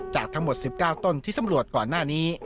จากทั้งหมด๑๙ต้นที่สำรวจก่อนหน้านี้